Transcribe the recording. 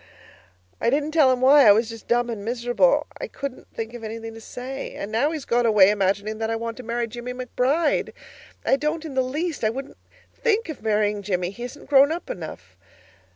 I didn't tell him why; I was just dumb and miserable. I couldn't think of anything to say. And now he has gone away imagining that I want to marry Jimmie McBride I don't in the least, I wouldn't think of marrying Jimmie; he isn't grown up enough.